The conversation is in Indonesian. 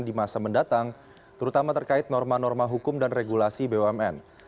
di masa mendatang terutama terkait norma norma hukum dan regulasi bumn